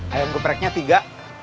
ayam gepreknya tiga